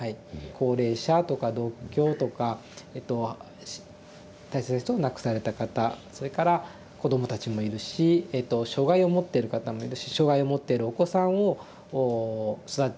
高齢者とか独居とかえと大切な人を亡くされた方それから子供たちもいるし障害を持ってる方もいるし障害を持ってるお子さんを育てていらっしゃる親御さんもいる。